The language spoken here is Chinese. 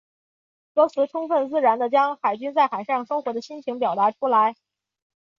歌词充分自然地将海军在海上生活的心情表达出来。